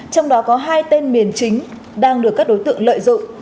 trong đó có hai tên miền chính đang được các đối tượng lợi dụng